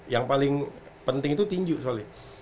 yang paling penting itu tinju soalnya